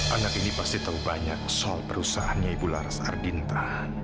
anak ini pasti tahu banyak soal perusahaannya ibu laras ardinta